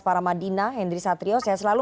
paramadina hendri satrio saya selalu